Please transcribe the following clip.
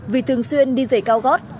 vì thường xuyên đi dày cao gót